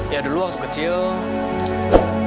ya dulu waktu kecil